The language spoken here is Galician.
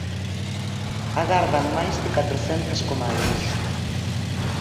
Agardan máis de catrocentas comadres.